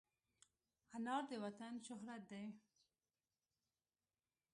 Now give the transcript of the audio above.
انار د وطن شهرت دی.